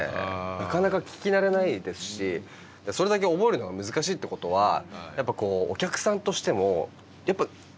なかなか聞き慣れないですしそれだけ覚えるのが難しいってことはやっぱお客さんとしても身を委ねちゃいますよね。